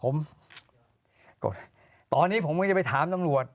ผมกกกกกกกกตอนนี้ผมก็ต้องไปถามตังหลวท